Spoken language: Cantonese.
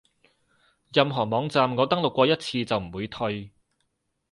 任何網站我登錄過一次就唔會退